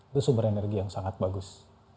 itu sumber energi yang sangat bagus